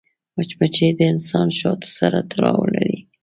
مچمچۍ له انساني شاتو سره تړاو لري